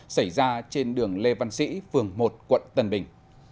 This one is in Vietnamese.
xảy ra trên đường lê văn sĩ phường một quận tân bình